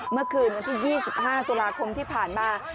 เมื่อคืนวันที่๒๕ตุลาคมที่ผ่านมา